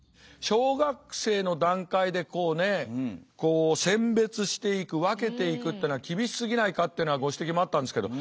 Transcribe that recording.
小学生の段階でこうね選別していく分けていくっていうのは厳しすぎないかっていうようなご指摘もあったんですけど。